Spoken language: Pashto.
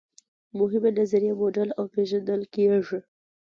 مهمې نظریې موډل او پیژندل کیږي.